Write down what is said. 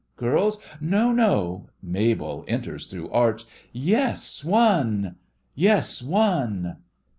GIRLS: No, no! MABEL: (enters through arch) Yes, one! Yes, one!